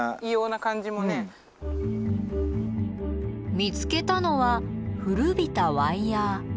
見つけたのは古びたワイヤー。